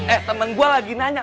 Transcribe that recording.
eh temen gue lagi nanya